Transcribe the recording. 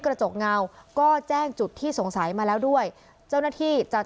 กระจกเงาก็แจ้งจุดที่สงสัยมาแล้วด้วยเจ้าหน้าที่จาก